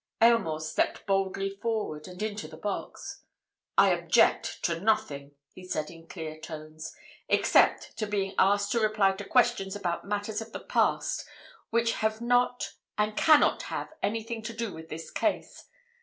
Aylmore stepped boldly forward and into the box. "I object to nothing," he said in clear tones, "except to being asked to reply to questions about matters of the past which have not and cannot have anything to do with this case.